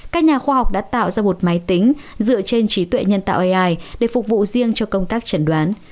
các nhà khoa học đã tạo ra một máy tính dựa trên trí tuệ nhân tạo ai để phục vụ riêng cho công tác chẩn đoán